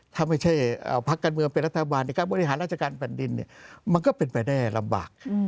ถ้าไม่ใช่พักการเมืองเป็นรัฐบาลในการบริหารราชการแผ่นดินมันก็เป็นไปได้ลำบาก